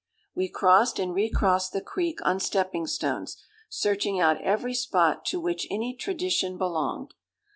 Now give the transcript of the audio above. "We crossed and re crossed the creek on stepping stones, searching out every spot to which any tradition belonged.